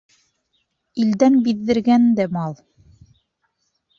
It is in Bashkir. Илдән биҙҙергән дә мал